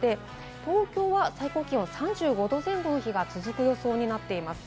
東京は最高気温は３５度前後の日が続く予想になっています。